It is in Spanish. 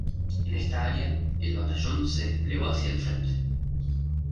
En esta área, el batallón se desplegó hacia el frente.